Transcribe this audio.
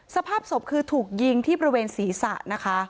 สภาพศพคือถูกยิงที่บริเวณศีรษะนะคะ